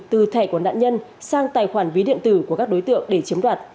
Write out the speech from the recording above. từ thẻ của nạn nhân sang tài khoản ví điện tử của các đối tượng để chiếm đoạt